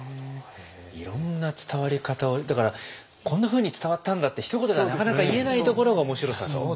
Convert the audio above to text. いろんな伝わり方をだからこんなふうに伝わったんだってひと言ではなかなか言えないところが面白さと？